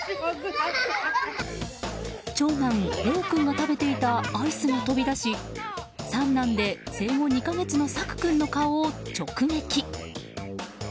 長男・怜央君が食べていたアイスが飛び出し三男で生後２か月の朔久君の顔を直撃。